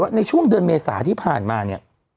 ในช่วงเดือนเมษาที่ผ่านมาเนี่ย